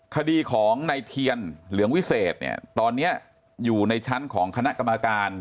คดีของในเทียนเหลืองวิเศษเนี่ยตอนนี้อยู่ในชั้นของคณะกรรมการ